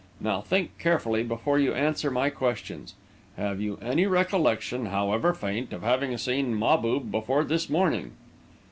Now, think carefully before you answer my questions: Have you any recollection, however faint, of having seen Mahbub before this morning?"